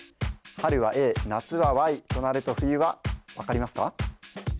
春はＡ夏はＹとなると冬は分かりますか？